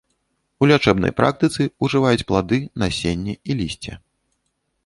У лячэбнай практыцы ўжываюць плады, насенне і лісце.